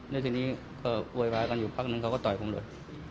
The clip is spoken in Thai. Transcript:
แล้วทีนี้ก็โวยวายกันอยู่พักนึงเขาก็ต่อยผมเลย